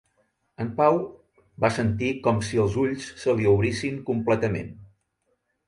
En Pau va sentir com si els ulls se li obrissin completament.